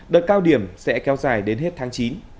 đợt cao điểm sẽ kéo dài đến hết tháng chín